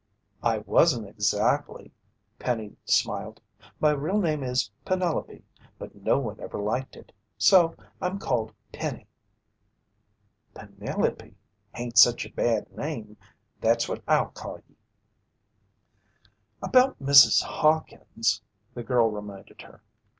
"I wasn't exactly," Penny smiled. "My real name is Penelope, but no one ever liked it. So I'm called Penny." "Penelope, hain't sich a bad name. That's what I'll call ye." "About Mrs. Hawkins " the girl reminded her.